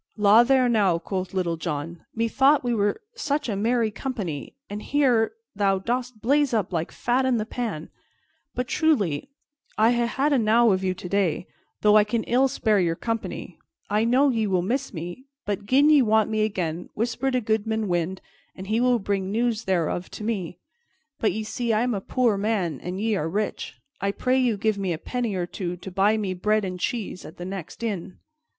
"La there, now!" quoth Little John. "Methought we were such a merry company, and here thou dost blaze up like fat in the pan. But truly, I ha' had enow of you today, though I can ill spare your company. I know ye will miss me, but gin ye want me again, whisper to Goodman Wind, and he will bring news thereof to me. But ye see I am a poor man and ye are rich. I pray you give me a penny or two to buy me bread and cheese at the next inn."